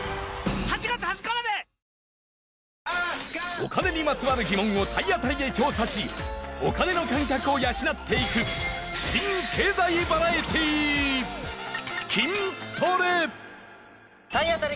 お金にまつわる疑問を体当たりで調査しお金の感覚を養っていく新経済バラエティー体当たり